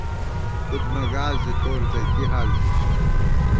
کُھد مہ گاس زی تو رتئ کی حال ژی تِنی